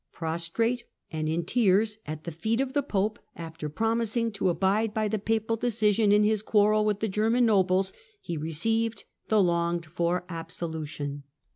Prostrate and in tears at the feet of the Pope, after promising to abide by the papal decision in his quarrel with the German nobles, he received the longed for absolution.